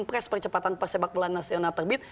persempatan persepak bola nasional terbit